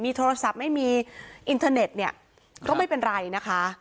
โทรศัพท์ไม่มีอินเทอร์เน็ตเนี่ยก็ไม่เป็นไรนะคะ